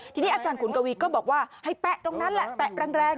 ทีนี้อาจารย์ขุนกวีก็บอกว่าให้แปะตรงนั้นแหละแปะแรง